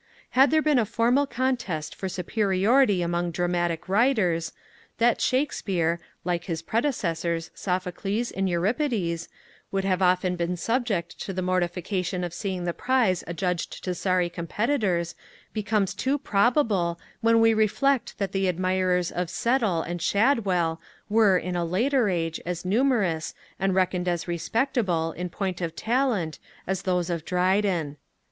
Had there been a formal contest for superiority among dramatic writers, that Shakespeare, like his predecessors Sophocles and Euripides, would have often been subject to the mortification of seeing the prize adjudged to sorry competitors, becomes too probable, when we reflect that the admirers of Settle and Shadwell were, in a later age, as numerous, and reckoned as respectable, in point of talent, as those of Dryden.